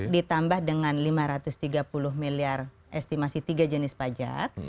ditambah dengan lima ratus tiga puluh miliar estimasi tiga jenis pajak